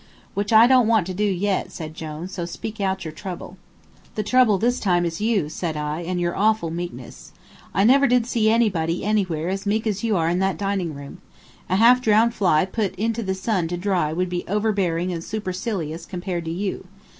"Which I don't want to do yet," said Jone, "so speak out your trouble." [Illustration: "Ask the waiter what the French words mean"] "The trouble this time is you," said I, "and your awful meekness. I never did see anybody anywhere as meek as you are in that dining room. A half drowned fly put into the sun to dry would be overbearing and supercilious compared to you.